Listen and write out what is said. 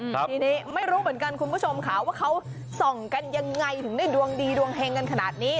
ทีนี้ไม่รู้เหมือนกันคุณผู้ชมค่ะว่าเขาส่องกันยังไงถึงได้ดวงดีดวงเฮงกันขนาดนี้